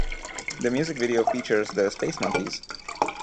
The music video features the Spacemonkeyz.